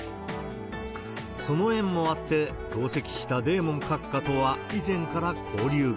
その縁もあって、同席したデーモン閣下とは以前から交流が。